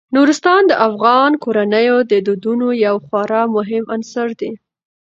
نورستان د افغان کورنیو د دودونو یو خورا مهم عنصر دی.